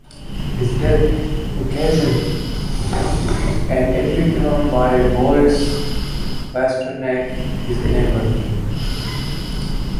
His death occasioned an epigram by Boris Pasternak, his neighbor.